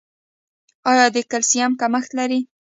ایا د کلسیم کمښت لرئ؟